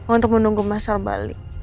untuk menunggu mas al balik